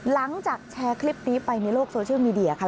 หลังจากแชร์คลิปนี้ไปในโลกโซเชียลมีเดียค่ะ